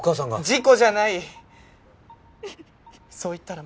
事故じゃないそう言ったら満足ですか？